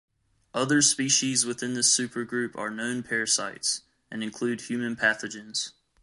Other species within this supergroup are known parasites, and include human pathogens.